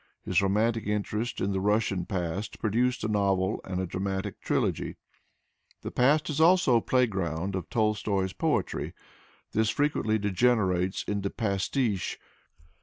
His romantic interest in the Russian past produced a novel and a dramatic trilogy. The past is also the playground of Tolstoy's poetry. This frequently degenerates into pastiche.